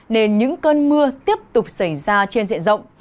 nên những cơn mưa tiếp tục xảy ra trên diện rộng